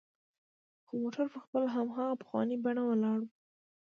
خو موټر پر خپل هماغه پخواني بڼه ولاړ و.